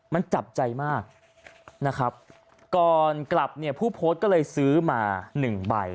มันจับใจมากนะครับก่อนกลับเนี่ยผู้โพสต์ก็เลยซื้อมาหนึ่งใบ